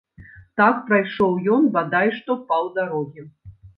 Так прайшоў ён бадай што паўдарогі.